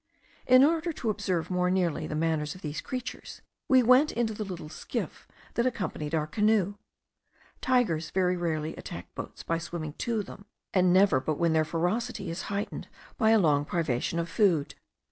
In order to observe more nearly the manners of these creatures, we went into the little skiff that accompanied our canoe. Tigers very rarely attack boats by swimming to them; and never but when their ferocity is heightened by a long privation of food.